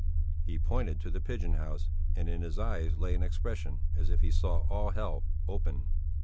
He pointed to the pigeon house and in his eyes lay an expression as if he saw all hell open.